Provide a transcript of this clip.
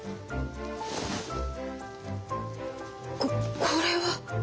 ここれは？